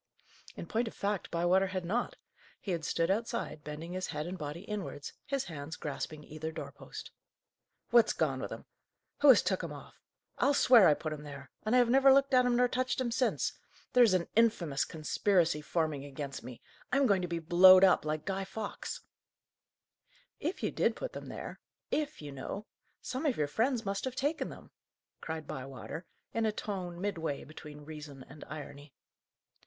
In point of fact, Bywater had not. He had stood outside, bending his head and body inwards, his hands grasping either door post. "What's gone with 'em? who 'as took 'em off? I'll swear I put 'em there, and I have never looked at 'em nor touched 'em since! There's an infamous conspiracy forming against me! I'm going to be blowed up, like Guy Fawkes!" "If you did put them there 'if,' you know some of your friends must have taken them," cried Bywater, in a tone midway between reason and irony.